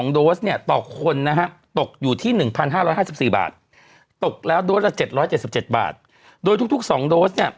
โดยทุกสองโดสเนี่ย